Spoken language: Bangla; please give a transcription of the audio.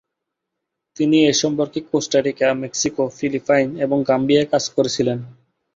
তিনি এই সম্পর্কে কোস্টারিকা, মেক্সিকো, ফিলিপাইন এবং গাম্বিয়ায় কাজ করেছিলেন।